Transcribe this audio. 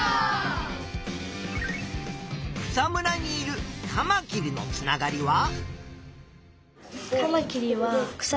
草むらにいるカマキリのつながりは？